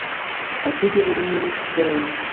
Apude oni minis feron.